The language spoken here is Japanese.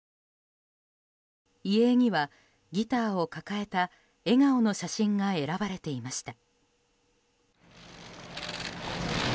遺影にはギターを抱えた笑顔の写真が選ばれていました。